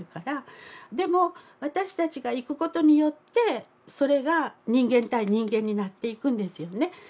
でも私たちが行くことによってそれが人間対人間になっていくんですよね。